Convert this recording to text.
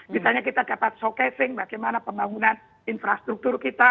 misalnya kita dapat showcasing bagaimana pembangunan infrastruktur kita